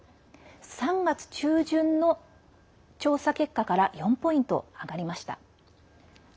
３月中旬の調査結果から４ポイント上がりました。